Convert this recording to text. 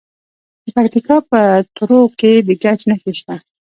د پکتیکا په تروو کې د ګچ نښې شته.